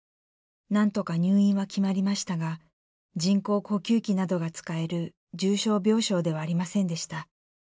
何とか入院は決まりましたが人工呼吸器などが使える重症病床ではありませんでした。